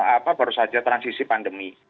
apa baru saja transisi pandemi